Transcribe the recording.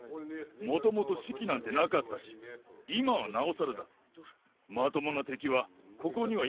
もともと士気なんてなかったし、今はなおさらだ。